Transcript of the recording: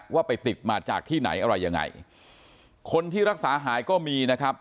ว่าไปติดมาจากที่ไหนอะไรยังไงคนที่รักษาหายก็มีนะครับ